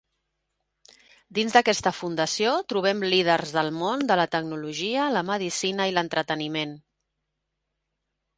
Dins d'aquesta fundació trobem líders del món de la tecnologia, la medicina i l'entreteniment.